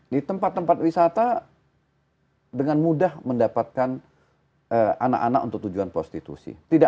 di tempat tempat wisata dengan mudah mendapatkan anak anak untuk tujuan prostitusi